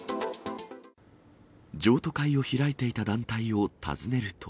譲渡会を開いていた団体を訪ねると。